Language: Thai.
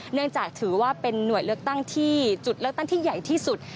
เนื่องจากถือว่าเป็นหน่วยเลือกตั้งที่จุดเลือกตั้งที่ใหญ่ที่สุด